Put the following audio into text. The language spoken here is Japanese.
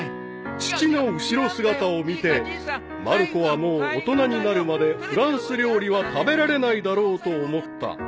［父の後ろ姿を見てまる子はもう大人になるまでフランス料理は食べられないだろうと思った］